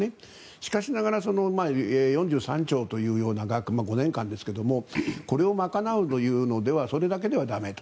しかしながら４３兆円というような額５年間ですがこれを賄うのはそれだけでは駄目と。